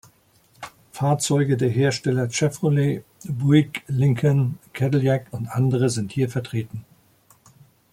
Fahrzeuge der Hersteller Chevrolet, Buick, Lincoln, Cadillac und andere sind hier vertreten.